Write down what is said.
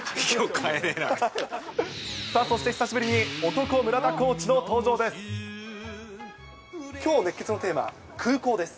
さあ、そして久しぶりに男、村田コーチの登場です。